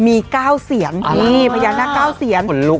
มีก้าวเสียงมีพญานาคก้าวเสียง